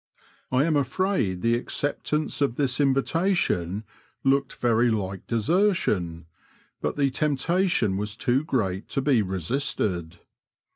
'* I am afraid the acceptance of this invitation looked very like desertion, but the temptation was too great to be resisted.